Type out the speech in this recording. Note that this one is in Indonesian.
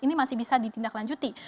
ini masih bisa ditindaklanjuti